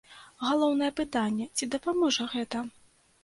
Галоўнае пытанне, ці дапаможа гэта?